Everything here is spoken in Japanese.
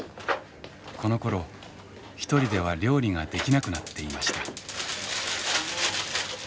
このころ一人では料理ができなくなっていました。